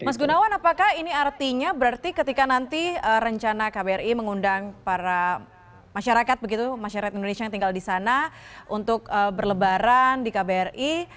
mas gunawan apakah ini artinya berarti ketika nanti rencana kbri mengundang para masyarakat begitu masyarakat indonesia yang tinggal di sana untuk berlebaran di kbri